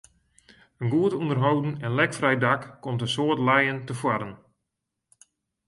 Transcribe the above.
In goed ûnderholden en lekfrij dak komt in soad lijen tefoaren.